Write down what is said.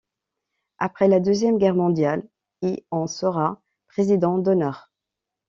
Après la deuxième guerre mondiale, il en sera président d'honneur.